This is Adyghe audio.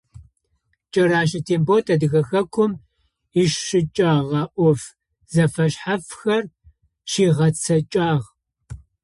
Кӏэрэщэ Тембот Адыгэ Хэкум ищыкӏэгъэ ӏоф зэфэшъхьафхэр щигъэцэкӏагъ.